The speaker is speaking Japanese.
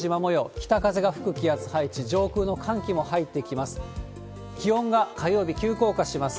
北風が吹く気圧配置、上空の寒気も入ってきます。